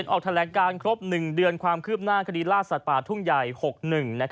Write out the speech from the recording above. แอเซอร์ออกถลักการครบ๑เดือนความคืบหน้าคดีร่าฉัด